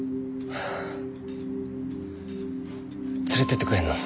連れて行ってくれんの？